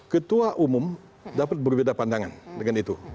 ketua umum dapat berbeda pandangan dengan itu